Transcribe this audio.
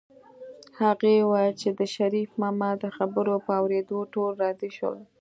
هغې وویل چې د شريف ماما د خبرو په اورېدو ټول راضي شول